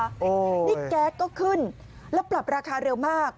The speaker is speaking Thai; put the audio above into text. นี่แก๊สก็ขึ้นแล้วปรับราคาเร็วมาก